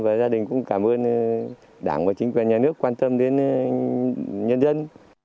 và gia đình cũng cảm ơn đảng và chính quyền nhà nước quan tâm đến nhân dân